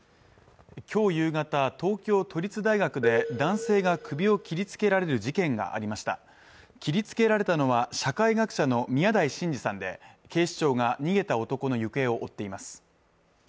きょう夕方、東京都立大学で男性が首を切りつけられる事件がありました切りつけられたのは社会学者の宮台真司さんで警視庁が逃げた男の行方を追っています